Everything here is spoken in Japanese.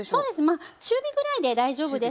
まあ中火ぐらいで大丈夫です。